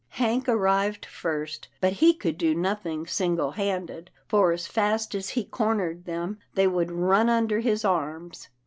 Hank arrived first, but he could do nothing single handed, for as fast as he cornered them, they would run under his arms.